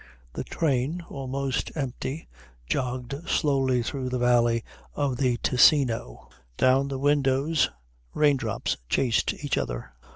The train, almost empty, jogged slowly through the valley of the Ticino. Down the windows raindrops chased each other.